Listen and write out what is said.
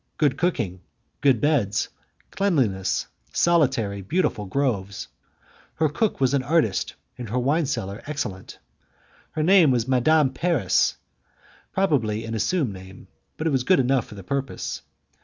Good cooking, good beds, cleanliness, solitary and beautiful groves. Her cook was an artist, and her wine cellar excellent. Her name was Madame Paris; probably an assumed name, but it was good enough for the purpose.